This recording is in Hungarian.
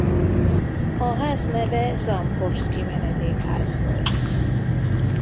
A ház neve Zamkovszky-menedékház volt.